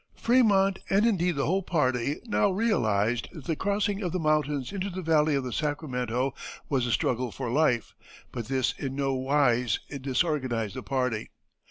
Frémont, and indeed the whole party, now realized that the crossing of the mountains into the valley of the Sacramento was a struggle for life, but this in no wise disorganized the party.